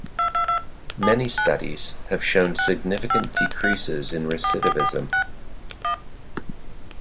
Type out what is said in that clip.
Many studies have shown significant decreases in recidivism.